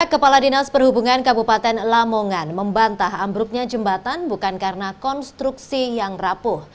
kepala dinas perhubungan kabupaten lamongan membantah ambruknya jembatan bukan karena konstruksi yang rapuh